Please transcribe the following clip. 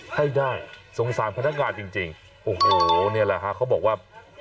ให้ได้สงสารพนักงานจริงโอ้โหนี่แหละฮะเขาบอกว่า